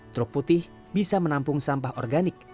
truk putih bisa menampung sampah organik